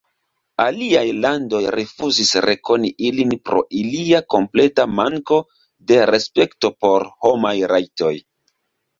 Aliaj landoj rifuzis rekoni ilin pro ilia kompleta manko de respekto por homaj rajtoj.